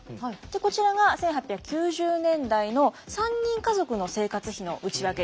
こちらが１８９０年代の３人家族の生活費の内訳です。